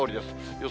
予想